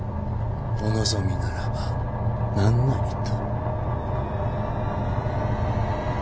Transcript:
お望みならば何なりと。